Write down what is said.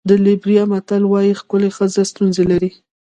د لېبریا متل وایي ښکلې ښځه ستونزې لري.